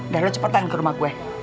dan lo cepetan ke rumah gue